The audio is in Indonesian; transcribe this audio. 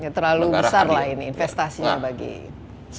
terlalu besar lah ini investasinya bagi industri